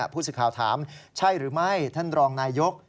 ผู้สื่อข่าวถามเป็นใช่ไหมท่านรองนายยกฯ